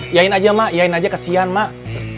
iain aja mak iain aja kesian mak